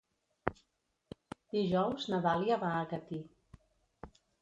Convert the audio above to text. Dijous na Dàlia va a Catí.